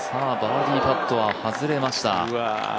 バーディーパットは外れました。